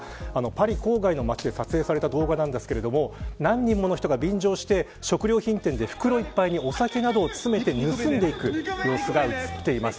パリ郊外の町で撮影された動画ですが何人もの人が便乗して食料品店で袋いっぱいにお酒などを詰めて盗んでいく様子が映っています。